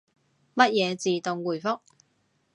乜嘢自動回覆？